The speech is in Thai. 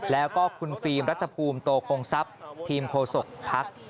แล้วก็คุณฟิล์มรัฐภูมิโตคงทรัพย์ทีมโฆษกภักดิ์